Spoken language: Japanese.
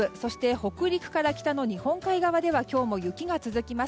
北陸から北の日本海側では今日も雪が続きます。